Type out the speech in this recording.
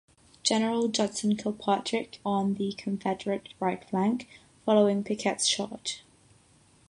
General Judson Kilpatrick on the Confederate right flank, following Pickett's Charge.